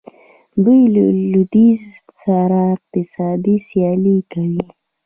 دوی له لویدیځ سره اقتصادي سیالي کوي.